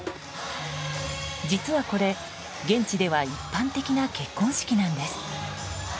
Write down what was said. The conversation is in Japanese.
実はこれ、現地では一般的な結婚式なんです。